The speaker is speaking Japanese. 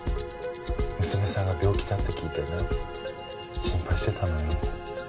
娘さんが病気だって聞いてね心配してたのよ。